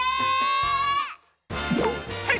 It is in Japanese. はい！